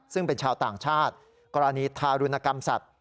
ซึ่งเป็นชาวต่างชาติกรณีทารุณกรรมสัตว